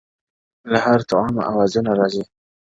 له هــر طـــعـــامـــه اوازونــــــــه راځــــــــــي؛